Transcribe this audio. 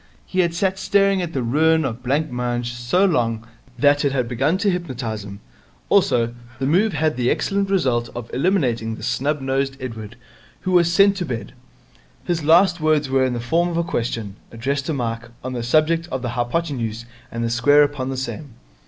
He had sat staring at the ruin of the blancmange so long that it had begun to hypnotize him. Also, the move had the excellent result of eliminating the snub nosed Edward, who was sent to bed. His last words were in the form of a question, addressed to Mike, on the subject of the hypotenuse and the square upon the same.